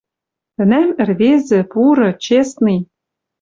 Тӹнӓм ӹрвезы, пуры, честный